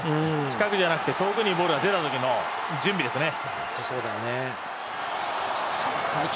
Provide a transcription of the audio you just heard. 近くじゃなくて遠くにボールが出たときの準備ですよね。